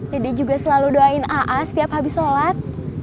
dede juga selalu doain aa setiap habis sholat